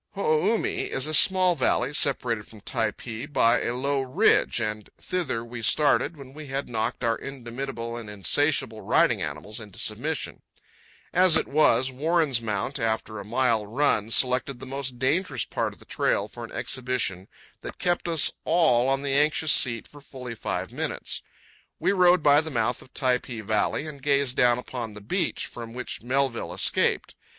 Ho o u mi is a small valley, separated from Typee by a low ridge, and thither we started when we had knocked our indomitable and insatiable riding animals into submission. As it was, Warren's mount, after a mile run, selected the most dangerous part of the trail for an exhibition that kept us all on the anxious seat for fully five minutes. We rode by the mouth of Typee valley and gazed down upon the beach from which Melville escaped.